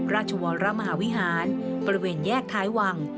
ราชวรมหาวิหารบริเวณแยกท้ายวัง